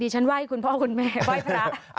ดีฉันว่ายคุณพ่อคุณแม่ว่ายพระ